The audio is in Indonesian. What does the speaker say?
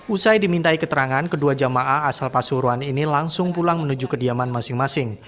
usai dimintai keterangan kedua jamaah asal pasuruan ini langsung pulang menuju kediaman masing masing